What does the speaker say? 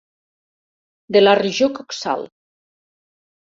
De la regió coxal.